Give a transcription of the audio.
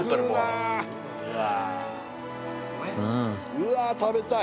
うわ食べたい！